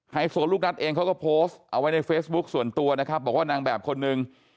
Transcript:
โซลูกนัทเองเขาก็โพสต์เอาไว้ในเฟซบุ๊คส่วนตัวนะครับบอกว่านางแบบคนนึง